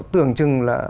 tưởng chừng là